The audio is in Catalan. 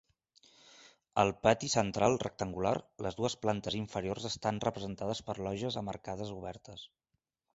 Al pati central rectangular, les dues plantes inferiors estan representades per lògies amb arcades obertes.